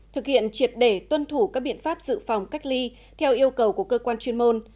thực hiện triệt để tuân thủ các biện pháp dự phòng cách ly theo yêu cầu của cơ quan chuyên môn